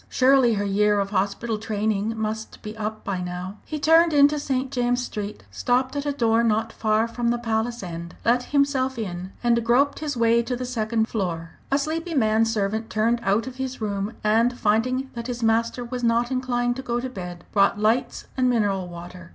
Surely her year of hospital training must be up by now? He turned into St. James Street, stopped at a door not far from the Palace end, let himself in, and groped his way to the second floor. A sleepy man servant turned out of his room, and finding that his master was not inclined to go to bed, brought lights and mineral water.